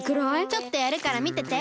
ちょっとやるからみてて。